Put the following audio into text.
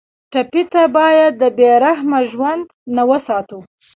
ټپي ته باید د بې رحمه ژوند نه وساتو.